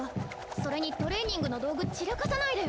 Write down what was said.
それにトレーニングの道具散らかさないでよ。